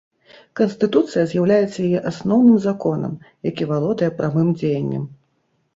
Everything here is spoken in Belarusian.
Канстытуцыя з'яўляецца яе асноўным законам, які валодае прамым дзеяннем.